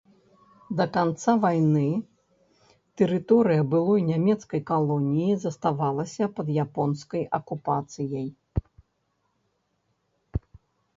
Да канца вайны тэрыторыя былой нямецкай калоніі заставалася пад японскай акупацыяй.